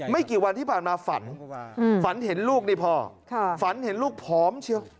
ไม่กี่วันที่ผ่านมาฝันเห็นลูกพ่อฝันเห็นลูกพร้อม